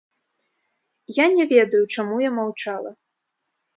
Я не ведаю, чаму я маўчала.